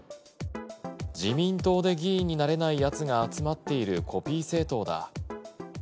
自民党で議員になれないやつが集まっているコピー政党だ。